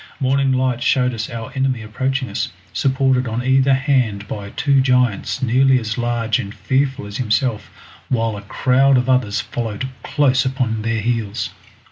morning light showed us our enemy approaching us, supported on either hand by two giants nearly as large and fearful as himself, while a crowd of others followed close upon their heels.